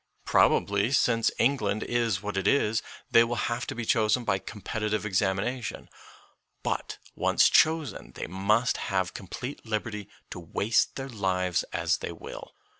Probably, since England is what it is, they will have to be chosen by competitive examination, but once chosen they must have complete liberty to waste their lives as they will.